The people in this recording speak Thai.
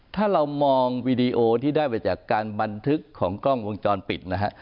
ถ้าเรามองวีดีโอที่ได้ไปจากการบันทึกของกล้องวงจรปิดนะฮะ